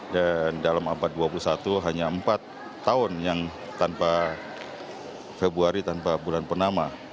dan dalam abad dua puluh satu hanya empat tahun yang tanpa februari tanpa bulan pertama